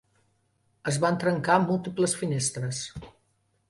Es van trencar múltiples finestres.